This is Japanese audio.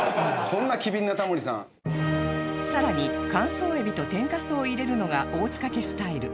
さらに乾燥えびと天かすを入れるのが大塚家スタイル